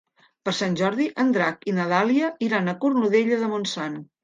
Per Sant Jordi en Drac i na Dàlia iran a Cornudella de Montsant.